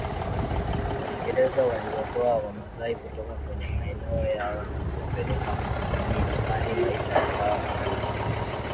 Waingereza waliwatoa wamasai kutoka kwenye maeneo yao na kuwapeleka milimani maisha yakawa magumu